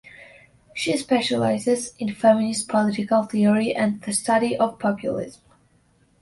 She specializes in feminist political theory and the study of populism.